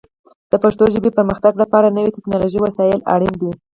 د پښتو ژبې پرمختګ لپاره نور ټکنالوژیکي وسایل اړین دي.